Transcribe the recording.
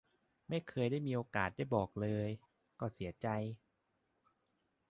ไม่เคยได้มีโอกาสบอกเลย ก็เสียใจ